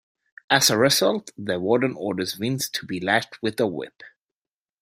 As a result, the warden orders Vince to be lashed with a whip.